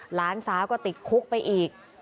หลานสาวก็ติดคุกไปอีก